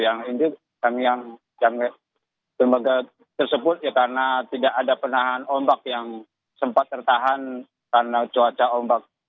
yang ini kami yang lembaga tersebut ya karena tidak ada penahan ombak yang sempat tertahan karena cuaca ombak